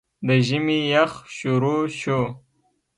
د ژمي يخ شورو شو